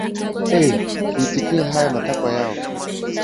ee kuitikia haya matakwa yao